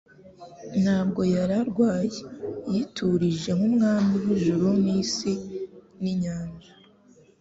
Ntabwo yari aryamye yiturije nk’Umwami w’ijuru n’isi n’inyanja.